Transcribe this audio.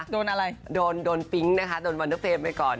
โดนอะไรโดนปิ๊งนะคะโดนบอนเดอร์เฟรมไปก่อน